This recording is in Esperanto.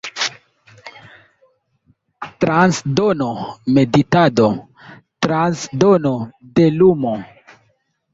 Transdono meditado, transdono de lumo.